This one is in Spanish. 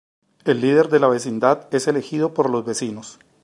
El líder de la vecindad es elegido por los vecinos.